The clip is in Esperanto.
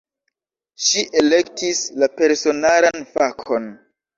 Ŝi elektis la personaran fakon.